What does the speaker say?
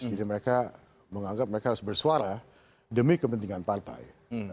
jadi mereka menganggap mereka harus bersuara demi kepentingan partai